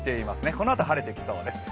このあと晴れてきそうです。